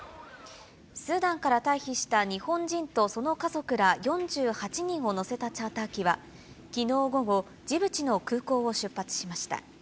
スーダンから退避した日本人とその家族ら４８人を乗せたチャーター機は、きのう午後、ジブチの空港を出発しました。